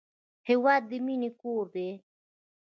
هېواد د مینې کور دی.